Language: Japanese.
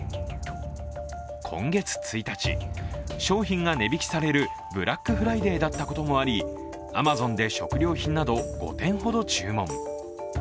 今月１日、商品が値引きされるブラックフライデーだったこともありアマゾンで食料品など５点ほど注文。